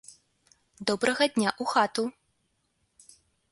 Добрага дня ў хату!